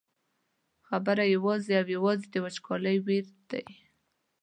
خبره یوازې او یوازې د وچکالۍ ویر دی.